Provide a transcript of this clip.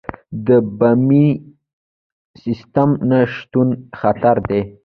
د بیمې سیستم نشتون خطر دی.